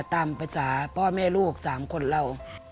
ตามประสาทพ่อแม่ลูก๓คนแล้ว